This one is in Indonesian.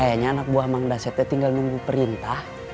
kayanya anak buah mangdasete tinggal menunggu perintah